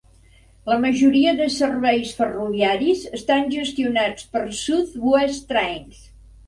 La majoria de serveis ferroviaris estan gestionats per South West Trains.